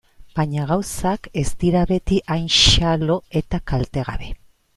Baina gauzak ez dira beti hain xalo eta kaltegabe.